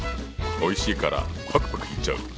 おいしいからパクパクいっちゃう！